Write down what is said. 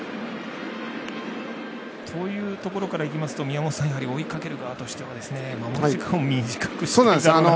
というところからいきますと宮本さん、やはり追いかける側としては守り時間を短くしたいかなと。